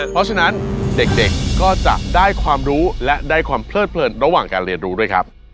เพราะฉะนั้นเด็กก็จะได้ความรู้และได้ความเพลิดเพลินระหว่างการเรียนรู้ด้วยครับ